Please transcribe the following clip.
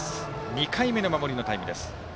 ２回目の守りのタイム。